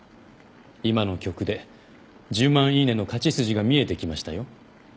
今の曲で１０万イイネの勝ち筋が見えてきましたよ。